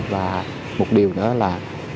và một điều nữa là